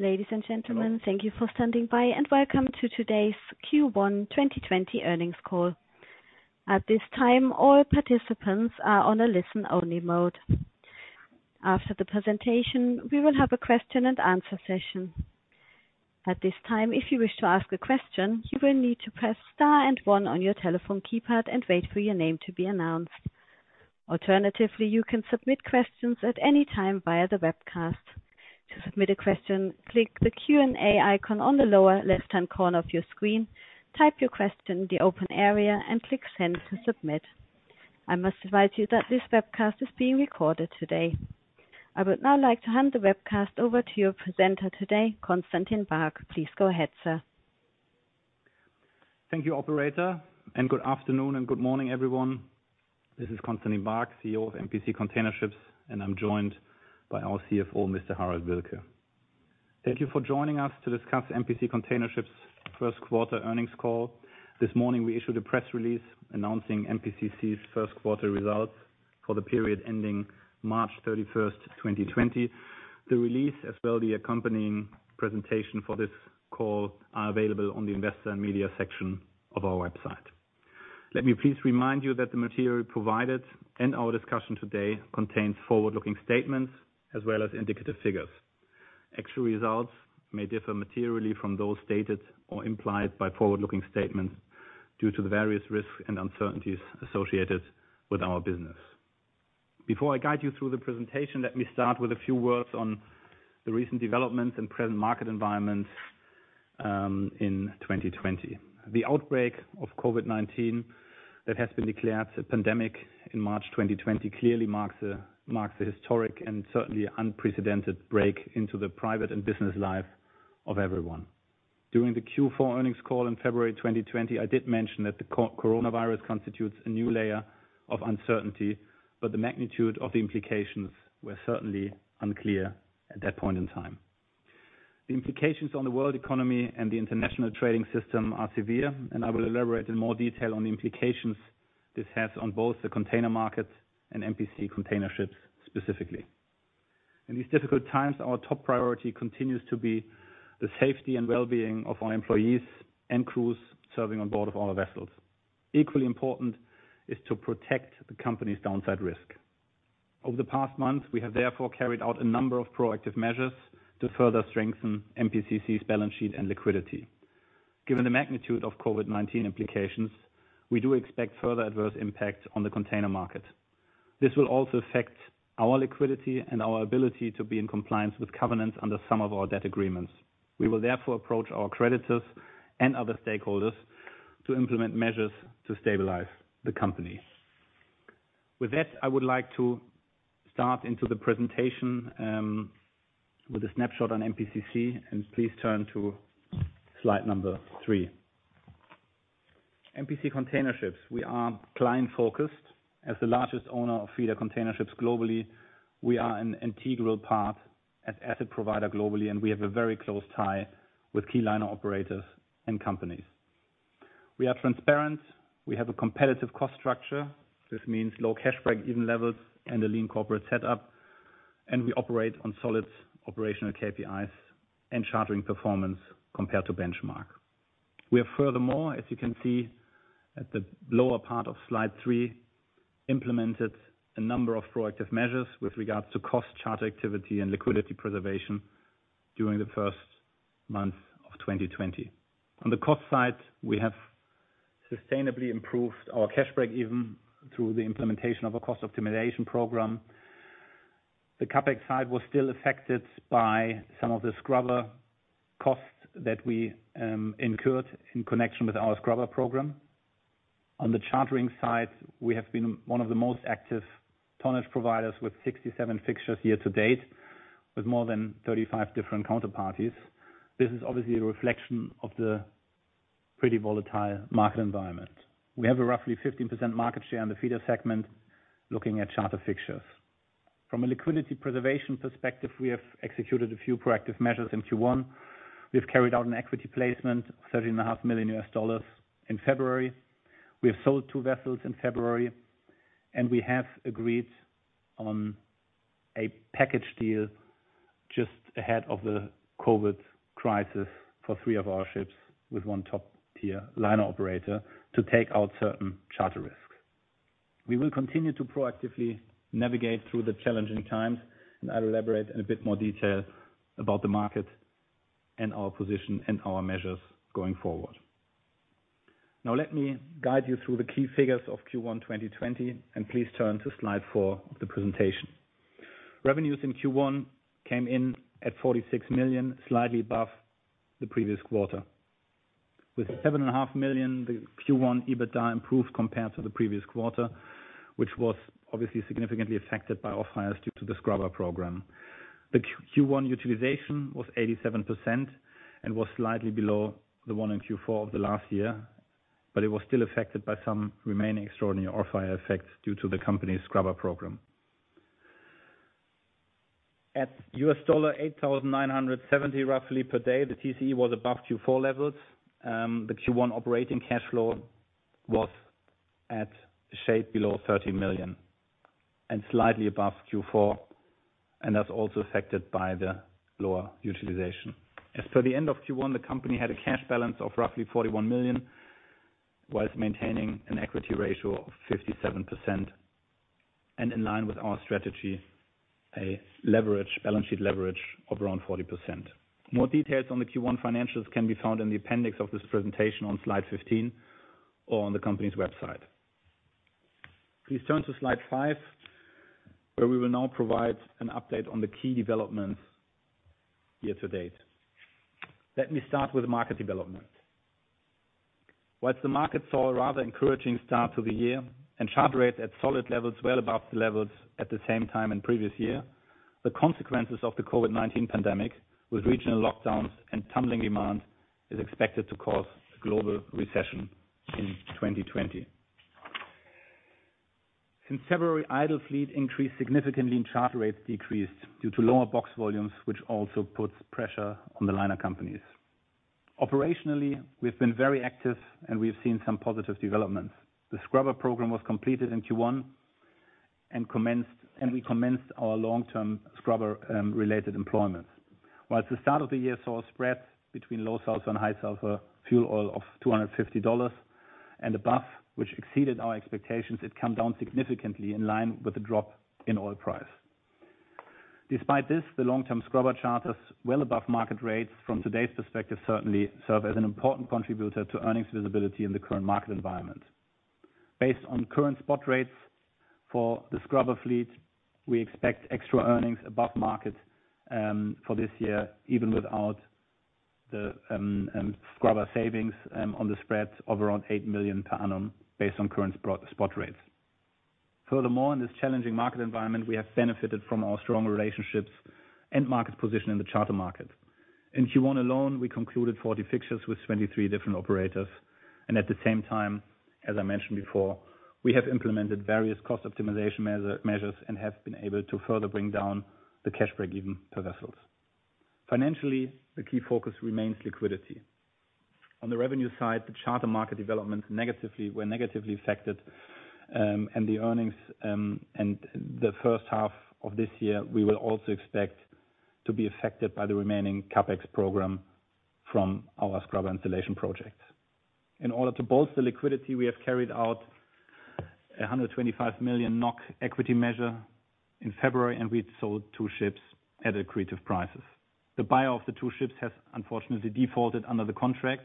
Ladies and gentlemen, thank you for standing by, and welcome to today's Q1 2020 earnings call. At this time, all participants are on a listen-only mode. After the presentation, we will have a question-and-answer session. At this time, if you wish to ask a question, you will need to press star and one on your telephone keypad and wait for your name to be announced. Alternatively, you can submit questions at any time via the webcast. To submit a question, click the Q&A icon on the lower left-hand corner of your screen, type your question in the open area, and click send to submit. I must advise you that this webcast is being recorded today. I would now like to hand the webcast over to your presenter today, Constantin Baack. Please go ahead, sir. Thank you, Operator, and good afternoon and good morning, everyone. This is Constantin Baack, CEO of MPC Container Ships, and I'm joined by our CFO, Mr. Harald Wilke. Thank you for joining us to discuss MPC Container Ships' first-quarter earnings call. This morning, we issued a press release announcing MPCC's first-quarter results for the period ending March 31st, 2020. The release, as well as the accompanying presentation for this call, are available on the investor and media section of our website. Let me please remind you that the material provided and our discussion today contains forward-looking statements as well as indicative figures. Actual results may differ materially from those stated or implied by forward-looking statements due to the various risks and uncertainties associated with our business. Before I guide you through the presentation, let me start with a few words on the recent developments and present market environment in 2020. The outbreak of COVID-19 that has been declared a pandemic in March 2020 clearly marks a historic and certainly unprecedented break into the private and business life of everyone. During the Q4 earnings call in February 2020, I did mention that the coronavirus constitutes a new layer of uncertainty, but the magnitude of the implications were certainly unclear at that point in time. The implications on the world economy and the international trading system are severe, and I will elaborate in more detail on the implications this has on both the container market and MPC Container Ships specifically. In these difficult times, our top priority continues to be the safety and well-being of our employees and crews serving on board of our vessels. Equally important is to protect the company's downside risk. Over the past month, we have therefore carried out a number of proactive measures to further strengthen MPCC's balance sheet and liquidity. Given the magnitude of COVID-19 implications, we do expect further adverse impacts on the container market. This will also affect our liquidity and our ability to be in compliance with covenants under some of our debt agreements. We will therefore approach our creditors and other stakeholders to implement measures to stabilize the company. With that, I would like to start into the presentation with a snapshot on MPCC, and please turn to slide number three. MPC Container Ships, we are client-focused. As the largest owner of feeder container ships globally, we are an integral part as an asset provider globally, and we have a very close tie with key liner operators and companies. We are transparent. We have a competitive cost structure. This means low cash break-even levels and a lean corporate setup, and we operate on solid operational KPIs and chartering performance compared to benchmark. We have furthermore, as you can see at the lower part of slide three, implemented a number of proactive measures with regards to cost, charter activity and liquidity preservation during the first month of 2020. On the cost side, we have sustainably improved our cash break-even through the implementation of a cost optimization program. The CapEx side was still affected by some of the scrubber costs that we incurred in connection with our scrubber program. On the chartering side, we have been one of the most active tonnage providers with 67 fixtures year to date, with more than 35 different counterparties. This is obviously a reflection of the pretty volatile market environment. We have a roughly 15% market share in the feeder segment looking at charter fixtures. From a liquidity preservation perspective, we have executed a few proactive measures in Q1. We've carried out an equity placement of $13.5 million in February. We have sold two vessels in February, and we have agreed on a package deal just ahead of the COVID crisis for three of our ships with one top-tier liner operator to take out certain charter risks. We will continue to proactively navigate through the challenging times, and I'll elaborate in a bit more detail about the market and our position and our measures going forward. Now, let me guide you through the key figures of Q1 2020, and please turn to slide four of the presentation. Revenues in Q1 came in at $46 million, slightly above the previous quarter. With $7.5 million, the Q1 EBITDA improved compared to the previous quarter, which was obviously significantly affected by off-hires due to the scrubber program. The Q1 utilization was 87% and was slightly below the one in Q4 of the last year, but it was still affected by some remaining extraordinary off-hire effects due to the company's scrubber program. At $8,970 roughly per day, the TCE was above Q4 levels. The Q1 operating cash flow was at just below $30 million and slightly above Q4, and that's also affected by the lower utilization. As per the end of Q1, the company had a cash balance of roughly $41 million, while maintaining an equity ratio of 57%, and in line with our strategy, a balance sheet leverage of around 40%. More details on the Q1 financials can be found in the appendix of this presentation on slide 15 or on the company's website. Please turn to slide five, where we will now provide an update on the key developments year to date. Let me start with market development. While the market saw a rather encouraging start to the year and charter rates at solid levels, well above the levels at the same time and previous year, the consequences of the COVID-19 pandemic, with regional lockdowns and tumbling demand, are expected to cause a global recession in 2020. Since February, idle fleet increased significantly, and charter rates decreased due to lower box volumes, which also puts pressure on the liner companies. Operationally, we've been very active, and we've seen some positive developments. The scrubber program was completed in Q1, and we commenced our long-term scrubber-related employment. While the start of the year saw a spread between low sulfur and high sulfur fuel oil of $250 and above, which exceeded our expectations, it came down significantly in line with the drop in oil price. Despite this, the long-term scrubber charters, well above market rates from today's perspective, certainly serve as an important contributor to earnings visibility in the current market environment. Based on current spot rates for the scrubber fleet, we expect extra earnings above market for this year, even without the scrubber savings on the spread of around eight million per annum based on current spot rates. Furthermore, in this challenging market environment, we have benefited from our strong relationships and market position in the charter market. In Q1 alone, we concluded 40 fixtures with 23 different operators, and at the same time, as I mentioned before, we have implemented various cost optimization measures and have been able to further bring down the cash break-even per vessels. Financially, the key focus remains liquidity. On the revenue side, the charter market developments were negatively affected, and the earnings in the first half of this year we will also expect to be affected by the remaining CapEx program from our scrubber installation projects. In order to bolster liquidity, we have carried out a 125 million NOK equity measure in February, and we sold two ships at accretive prices. The buyer of the two ships has unfortunately defaulted under the contract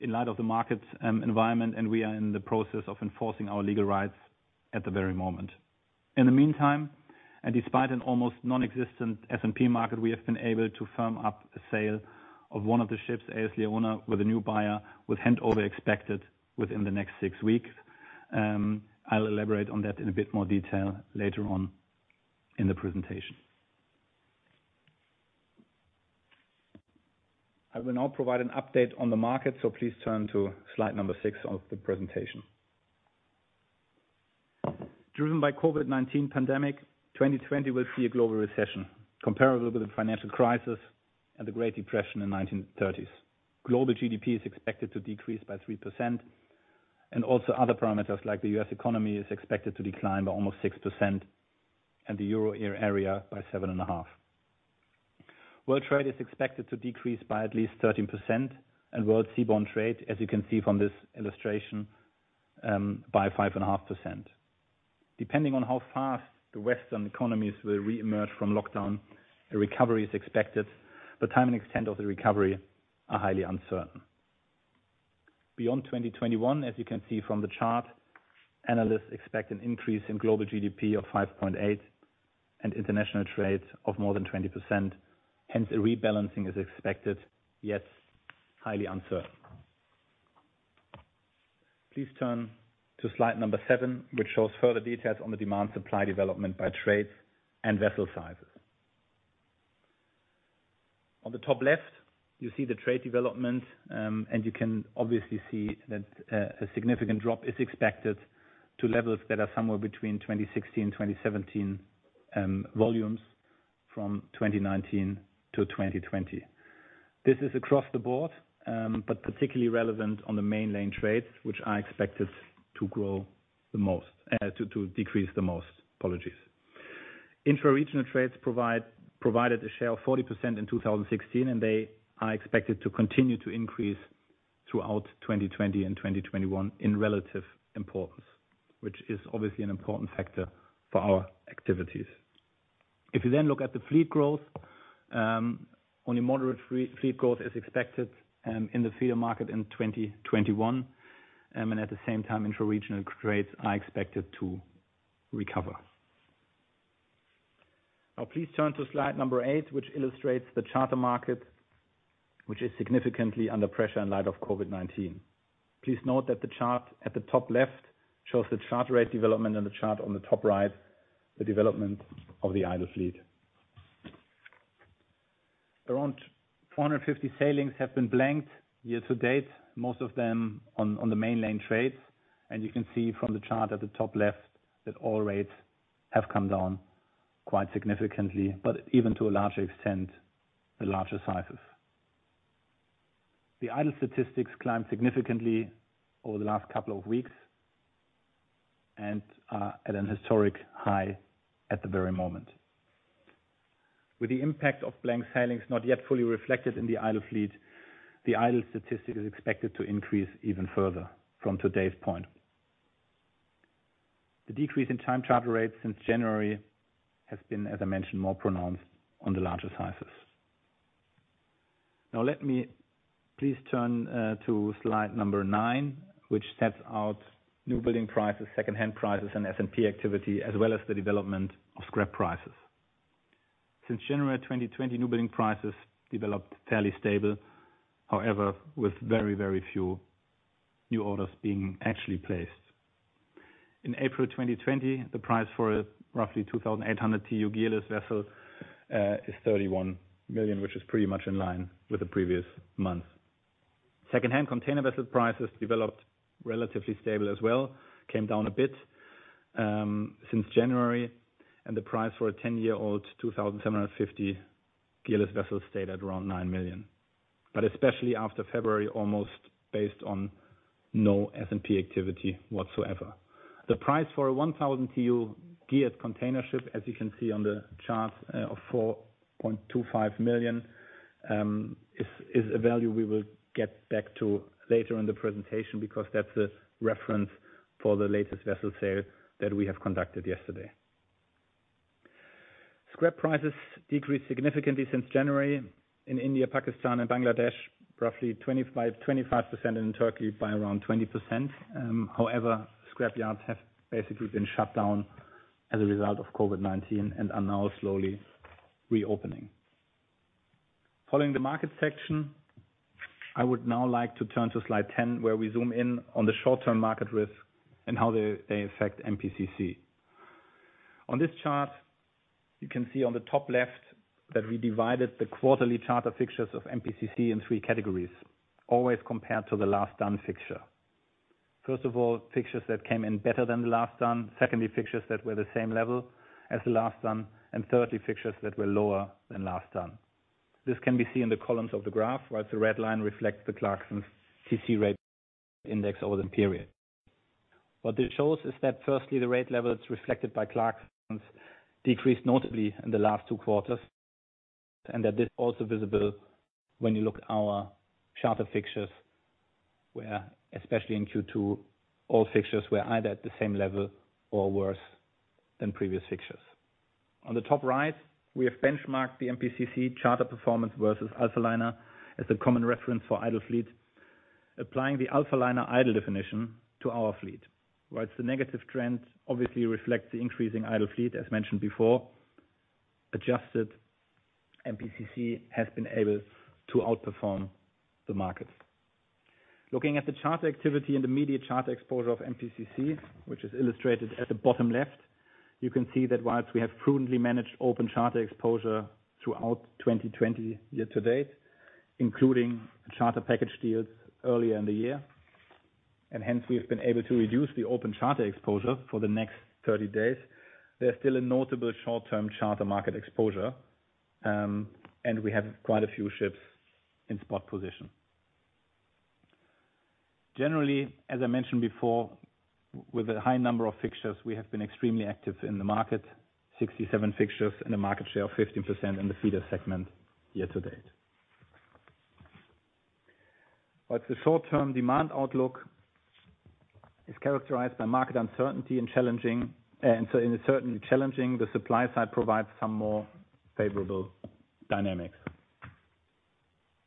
in light of the market environment, and we are in the process of enforcing our legal rights at the very moment. In the meantime, and despite an almost non-existent S&P market, we have been able to firm up a sale of one of the ships, AS Leona, with a new buyer, with handover expected within the next six weeks. I'll elaborate on that in a bit more detail later on in the presentation. I will now provide an update on the market, so please turn to slide number six of the presentation. Driven by the COVID-19 pandemic, 2020 will see a global recession comparable with the financial crisis and the Great Depression in the 1930s. Global GDP is expected to decrease by 3%, and also other parameters like the US economy are expected to decline by almost 6%, and the Euro area by 7.5%. World trade is expected to decrease by at least 13%, and world seaborne trade, as you can see from this illustration, by 5.5%. Depending on how fast the Western economies will reemerge from lockdown, a recovery is expected, but time and extent of the recovery are highly uncertain. Beyond 2021, as you can see from the chart, analysts expect an increase in global GDP of 5.8% and international trade of more than 20%. Hence, a rebalancing is expected, yet highly uncertain. Please turn to slide number seven, which shows further details on the demand supply development by trades and vessel sizes. On the top left, you see the trade development, and you can obviously see that a significant drop is expected to levels that are somewhere between 2016 and 2017 volumes from 2019 to 2020. This is across the board, but particularly relevant on the mainlane trades, which are expected to grow the most, to decrease the most, apologies. Intraregional trades provided a share of 40% in 2016, and they are expected to continue to increase throughout 2020 and 2021 in relative importance, which is obviously an important factor for our activities. If you then look at the fleet growth, only moderate fleet growth is expected in the feeder market in 2021, and at the same time, intraregional trades are expected to recover. Now, please turn to slide number eight, which illustrates the charter market, which is significantly under pressure in light of COVID-19. Please note that the chart at the top left shows the charter rate development, and the chart on the top right, the development of the idle fleet. Around 450 sailings have been blanked year to date, most of them on the mainlane trades, and you can see from the chart at the top left that all rates have come down quite significantly, but even to a larger extent, the larger sizes. The idle statistics climbed significantly over the last couple of weeks and are at a historic high at the very moment. With the impact of blank sailings not yet fully reflected in the idle fleet, the idle statistic is expected to increase even further from today's point. The decrease in time charter rates since January has been, as I mentioned, more pronounced on the larger sizes. Now, let me please turn to slide number nine, which sets out newbuilding prices, secondhand prices, and S&P activity, as well as the development of scrap prices. Since January 2020, newbuilding prices developed fairly stable, however, with very, very few new orders being actually placed. In April 2020, the price for a roughly 2,800 TEU gearless vessel is $31 million, which is pretty much in line with the previous month. Secondhand container vessel prices developed relatively stable as well, came down a bit since January, and the price for a 10-year-old 2,750 gearless vessel stayed at around $9 million, but especially after February, almost based on no S&P activity whatsoever. The price for a 1,000 TEU geared container ship, as you can see on the chart, of $4.25 million is a value we will get back to later in the presentation because that's a reference for the latest vessel sale that we have conducted yesterday. Scrap prices decreased significantly since January in India, Pakistan, and Bangladesh, roughly 25% in Turkey by around 20%. However, scrap yards have basically been shut down as a result of COVID-19 and are now slowly reopening. Following the market section, I would now like to turn to slide 10, where we zoom in on the short-term market risk and how they affect MPCC. On this chart, you can see on the top left that we divided the quarterly charter fixtures of MPCC in three categories, always compared to the last done fixture. First of all, fixtures that came in better than the last done, secondly, fixtures that were the same level as the last done, and thirdly, fixtures that were lower than last done. This can be seen in the columns of the graph, while the red line reflects the Clarksons TC rate index over the period. What this shows is that, firstly, the rate levels reflected by Clarksons decreased notably in the last two quarters, and that this is also visible when you look at our charter fixtures, where especially in Q2, all fixtures were either at the same level or worse than previous fixtures. On the top right, we have benchmarked the MPCC charter performance versus Alphaliner as a common reference for idle fleet, applying the Alphaliner idle definition to our fleet. While the negative trend obviously reflects the increasing idle fleet, as mentioned before, adjusted, MPCC has been able to outperform the market. Looking at the charter activity and the immediate charter exposure of MPCC, which is illustrated at the bottom left, you can see that while we have prudently managed open charter exposure throughout 2020 year to date, including charter package deals earlier in the year, and hence we have been able to reduce the open charter exposure for the next 30 days, there's still a notable short-term charter market exposure, and we have quite a few ships in spot position. Generally, as I mentioned before, with a high number of fixtures, we have been extremely active in the market, 67 fixtures and a market share of 15% in the feeder segment year to date. While the short-term demand outlook is characterized by market uncertainty and certainly challenging, the supply side provides some more favorable dynamics.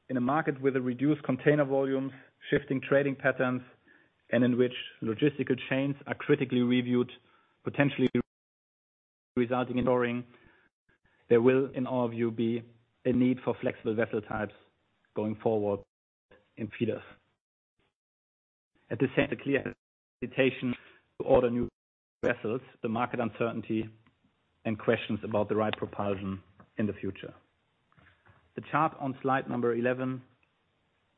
In a market with reduced container volumes, shifting trading patterns, and in which logistical chains are critically reviewed, potentially resulting in lowering, there will, in our view, be a need for flexible vessel types going forward in feeders. At the same time, no clear invitation to order new vessels, the market uncertainty, and questions about the right propulsion in the future. The chart on slide number 11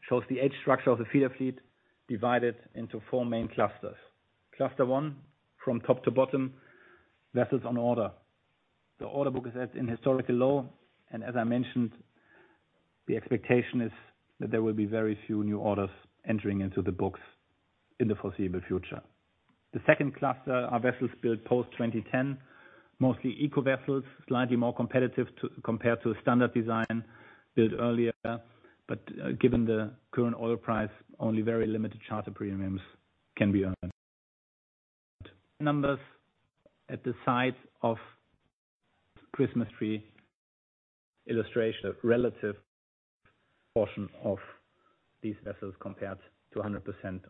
shows the age structure of the feeder fleet divided into four main clusters. Cluster one, from top to bottom, vessels on order. The order book is at a historically low, and as I mentioned, the expectation is that there will be very few new orders entering into the books in the foreseeable future. The second cluster are vessels built post-2010, mostly eco vessels, slightly more competitive compared to standard design built earlier, but given the current oil price, only very limited charter premiums can be earned. Numbers at the size of Christmas tree illustration of relative portion of these vessels compared to 100%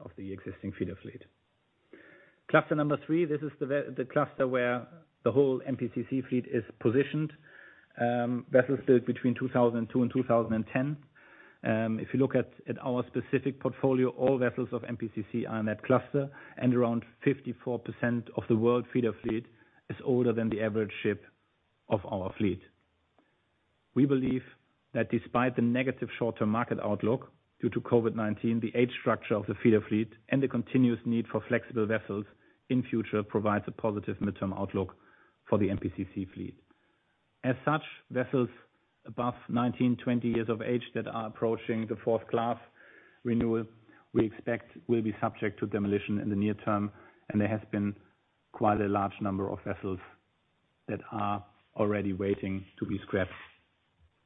of the existing feeder fleet. Cluster number three, this is the cluster where the whole MPCC fleet is positioned, vessels built between 2002 and 2010. If you look at our specific portfolio, all vessels of MPCC are in that cluster, and around 54% of the world feeder fleet is older than the average ship of our fleet. We believe that despite the negative short-term market outlook due to COVID-19, the age structure of the feeder fleet and the continuous need for flexible vessels in future provides a positive midterm outlook for the MPCC fleet. As such, vessels above 19, 20 years of age that are approaching the fourth class renewal, we expect will be subject to demolition in the near term, and there has been quite a large number of vessels that are already waiting to be scrapped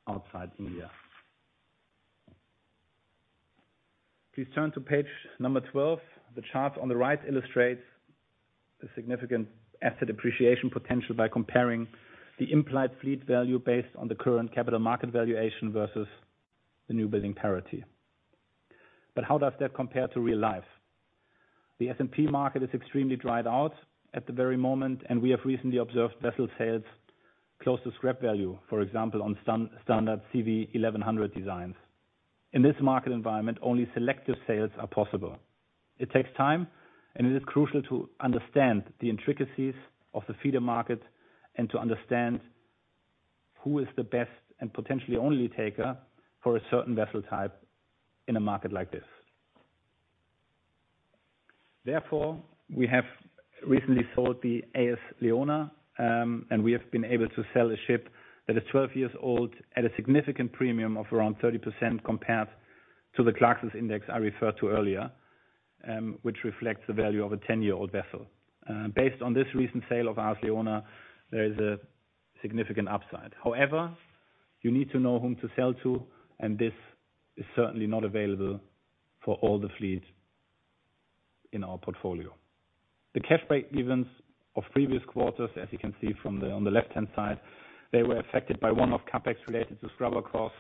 outside India. Please turn to page number 12. The chart on the right illustrates the significant asset appreciation potential by comparing the implied fleet value based on the current capital market valuation versus the newbuilding parity. But how does that compare to real life? The S&P market is extremely dried out at the very moment, and we have recently observed vessel sales close to scrap value, for example, on standard CV 1100 designs. In this market environment, only selective sales are possible. It takes time, and it is crucial to understand the intricacies of the feeder market and to understand who is the best and potentially only taker for a certain vessel type in a market like this. Therefore, we have recently sold the AS Leona, and we have been able to sell a ship that is 12 years old at a significant premium of around 30% compared to the Clarksons index I referred to earlier, which reflects the value of a 10-year-old vessel. Based on this recent sale of AS Leona, there is a significant upside. However, you need to know whom to sell to, and this is certainly not available for all the fleet in our portfolio. The cash break-evens of previous quarters, as you can see from the left-hand side, they were affected by one-off CapEx related to scrubber costs,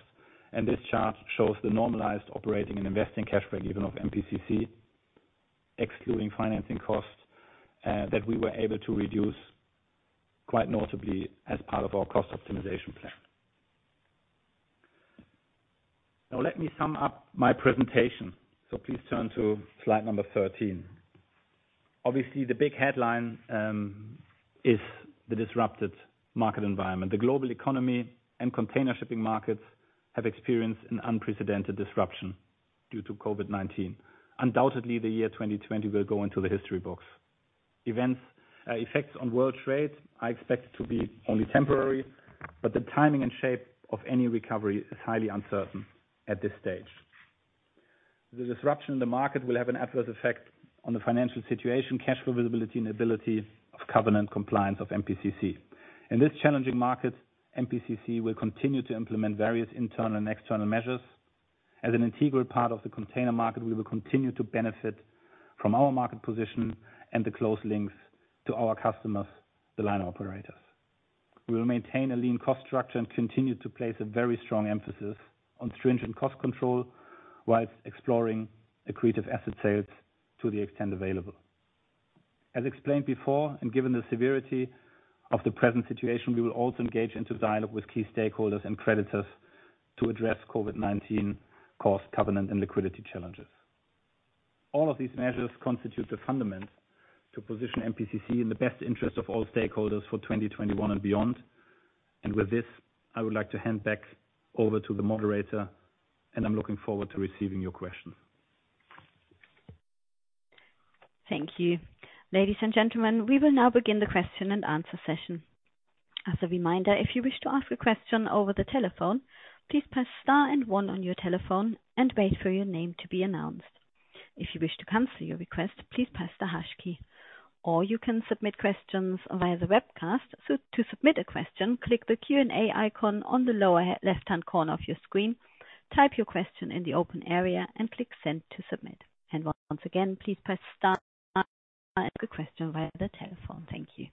and this chart shows the normalized operating and investing cash break-even of MPCC, excluding financing costs, that we were able to reduce quite notably as part of our cost optimization plan. Now, let me sum up my presentation, so please turn to slide number 13. Obviously, the big headline is the disrupted market environment. The global economy and container shipping markets have experienced an unprecedented disruption due to COVID-19. Undoubtedly, the year 2020 will go into the history books. Effects on world trade are expected to be only temporary, but the timing and shape of any recovery is highly uncertain at this stage. The disruption in the market will have an adverse effect on the financial situation, cash flow visibility, and ability of covenant compliance of MPCC. In this challenging market, MPCC will continue to implement various internal and external measures. As an integral part of the container market, we will continue to benefit from our market position and the close links to our customers, the liner operators. We will maintain a lean cost structure and continue to place a very strong emphasis on stringent cost control while exploring accretive asset sales to the extent available. As explained before and given the severity of the present situation, we will also engage into dialogue with key stakeholders and creditors to address COVID-19 cost, covenant, and liquidity challenges. All of these measures constitute the foundation to position MPCC in the best interest of all stakeholders for 2021 and beyond, and with this, I would like to hand back over to the moderator, and I'm looking forward to receiving your questions. Thank you. Ladies and gentlemen, we will now begin the question and answer session. As a reminder, if you wish to ask a question over the telephone, please press star and one on your telephone and wait for your name to be announced. If you wish to cancel your request, please press the hash key. Or you can submit questions via the webcast. To submit a question, click the Q&A icon on the lower left-hand corner of your screen, type your question in the open area, and click send to submit. And once again, please press star and one to submit the question via the telephone. Thank you.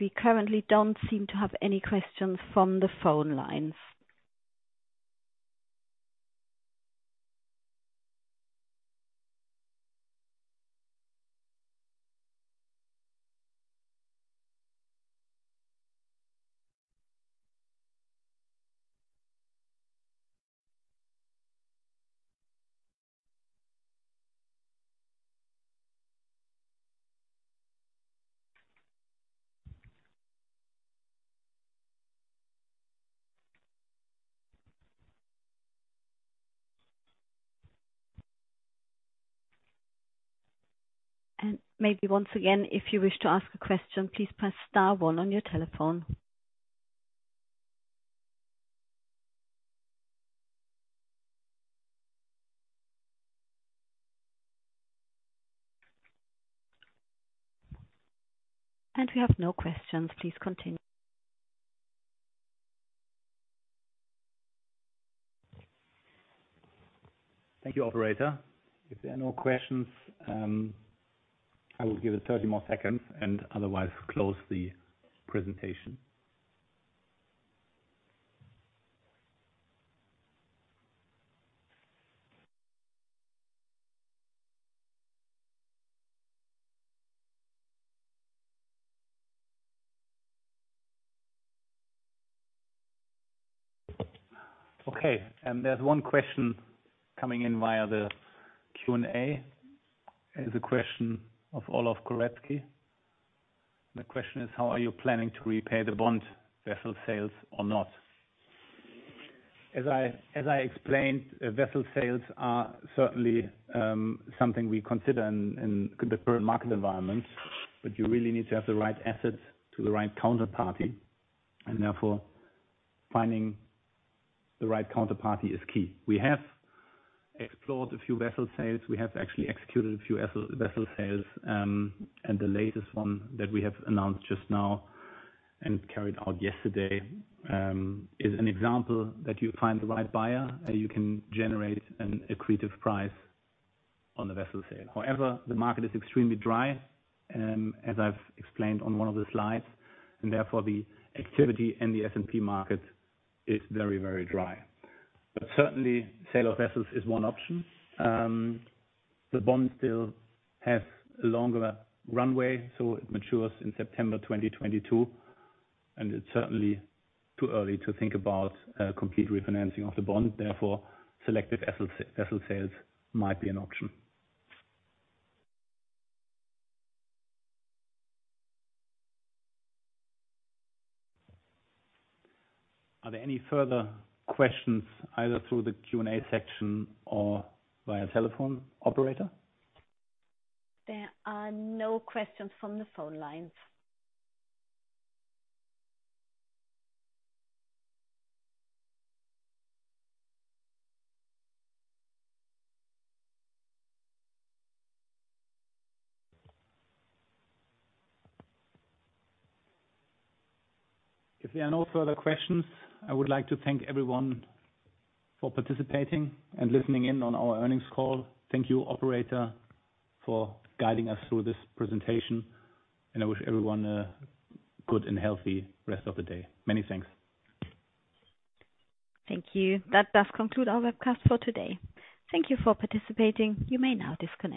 We currently don't seem to have any questions from the phone lines. Maybe once again, if you wish to ask a question, please press star one on your telephone. We have no questions. Please continue. Thank you, operator. If there are no questions, I will give it 30 more seconds and otherwise close the presentation. Okay. There's one question coming in via the Q&A. It's a question of Olof Goretzky. The question is, how are you planning to repay the bond? Vessel sales or not? As I explained, vessel sales are certainly something we consider in the current market environment, but you really need to have the right assets to the right counterparty, and therefore finding the right counterparty is key. We have explored a few vessel sales. We have actually executed a few vessel sales, and the latest one that we have announced just now and carried out yesterday is an example that you find the right buyer and you can generate an accretive price on the vessel sale. However, the market is extremely dry, as I've explained on one of the slides, and therefore the activity in the S&P market is very, very dry. But certainly, sale of vessels is one option. The bond still has a longer runway, so it matures in September 2022, and it's certainly too early to think about complete refinancing of the bond. Therefore, selective vessel sales might be an option. Are there any further questions either through the Q&A section or via telephone, operator? There are no questions from the phone lines. If there are no further questions, I would like to thank everyone for participating and listening in on our earnings call. Thank you, operator, for guiding us through this presentation, and I wish everyone a good and healthy rest of the day. Many thanks. Thank you. That does conclude our webcast for today. Thank you for participating. You may now disconnect.